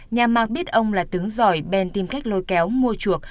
nhà mạc biết ông là tướng giỏi bên tìm cách lôi kéo mua chuộc